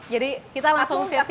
jadi kita langsung siap siap